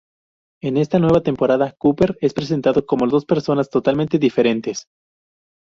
En esta nueva temporada Cooper es presentado como dos personas totalmente diferentes.